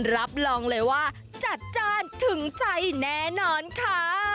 รับรองเลยว่าจัดจ้านถึงใจแน่นอนค่ะ